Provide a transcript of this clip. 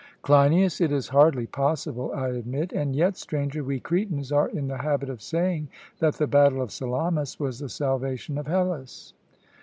CLEINIAS: It is hardly possible, I admit; and yet, Stranger, we Cretans are in the habit of saying that the battle of Salamis was the salvation of Hellas.